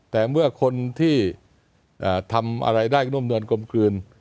แต่เมื่อคนที่ทำอะไรได้น่มนวลกลมกลืน